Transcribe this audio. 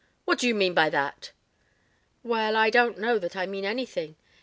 "What do you mean by that?" "Well, I don't know that I mean anything.